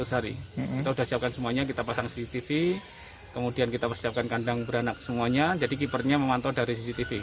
kita sudah siapkan semuanya kita pasang cctv kemudian kita persiapkan kandang beranak semuanya jadi keepernya memantau dari cctv